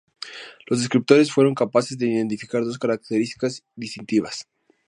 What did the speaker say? Los descriptores fueron capaces de identificar dos características distintivas.